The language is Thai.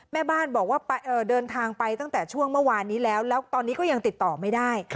แม่บ้านบอกว่าเดินทางไปตั้งแต่ช่วงเมื่อวานนี้แล้วแล้วตอนนี้ก็ยังติดต่อไม่ได้